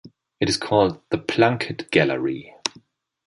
It is called The Plunkett Gallery.